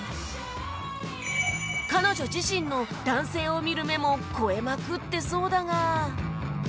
彼女自身の男性を見る目も肥えまくってそうだが